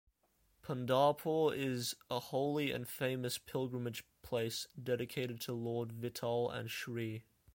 Pandharpur is a holy and famous pilgrimage place dedicated to Lord Vitthal and Shri.